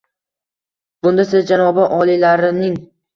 Bunda siz janobi oliylarining… ”